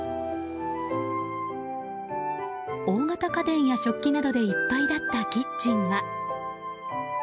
大型家電や食器などでいっぱいだったキッチンは。